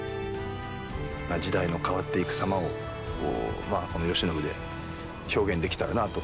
時代の変わっていく様をこの慶喜で表現できたらなぁと。